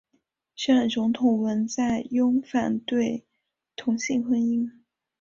现任总统文在寅反对同性婚姻。